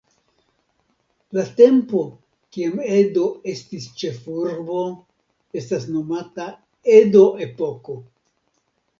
La tempo kiam Edo estis ĉefurbo, estas nomata Edo-epoko.